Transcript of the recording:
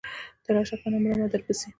ته راشه کنه مرمه درپسې.